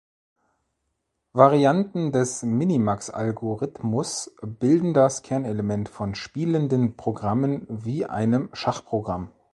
Varianten des Minimax-Algorithmus bilden das Kernelement von spielenden Programmen wie einem Schachprogramm.